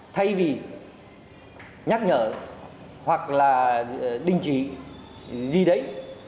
thay vì nhắc nhở hoặc là đình chỉ gì đấy